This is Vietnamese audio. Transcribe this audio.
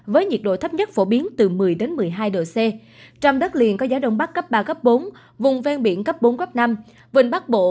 với nhiệt độ thấp nhất phổ biến từ một mươi một mươi hai độ c trong đất liền có gió đông bắc cấp ba cấp bốn vùng ven biển cấp bốn cấp năm vịnh bắc bộ